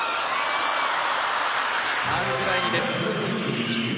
アングラエニです。